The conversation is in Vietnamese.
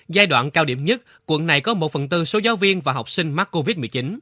giai đoạn cao điểm nhất quận này có một phần tư số giáo viên và học sinh mắc covid một mươi chín